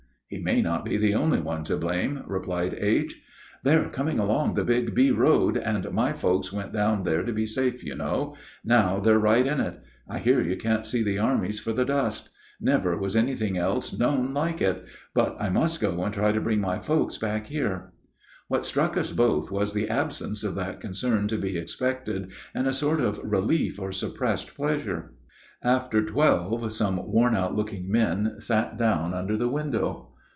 "He may not be the only one to blame," replied H. "They're coming along the Big B. road, and my folks went down there to be safe, you know; now they're right in it. I hear you can't see the armies for the dust; never was anything else known like it. But I must go and try to bring my folks back here." What struck us both was the absence of that concern to be expected, and a sort of relief or suppressed pleasure. After twelve some worn out looking men sat down under the window.